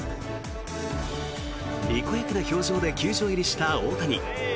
にこやかな表情で球場入りした大谷。